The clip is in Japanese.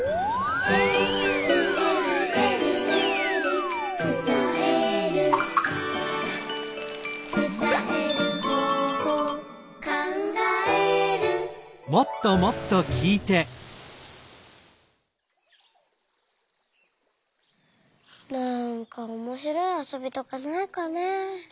「えるえるえるえる」「つたえる」「つたえる方法」「かんがえる」なんかおもしろいあそびとかないかねえ。